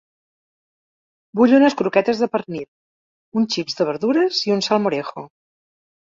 Vull unes croquetes de pernil, uns xips de verdures i un salmorejo.